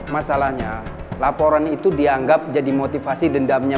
masalahnya laporan itu dianggap jadi motivasi dendamnya